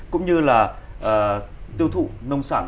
cũng như là tiêu thụ nông sản